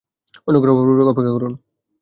অনুগ্রহপূর্বক অপেক্ষা করুন।